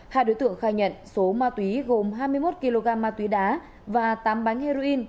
hai đối tượng khai nhận số ma túy gồm hai mươi một kg ma túy đá và tám bánh heroin